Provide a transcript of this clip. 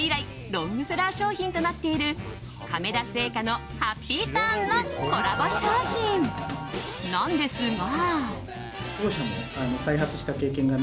ロングセラー商品となっている亀田製菓のハッピーターンのコラボ商品なんですが。